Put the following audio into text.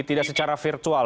tidak secara virtual